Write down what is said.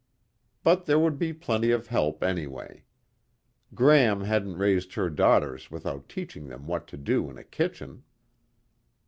But there would be plenty of help anyway. Gram hadn't raised her daughters without teaching them what to do in a kitchen.